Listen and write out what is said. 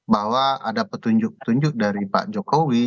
bahwa ada petunjuk tunjuk dari pak jokowi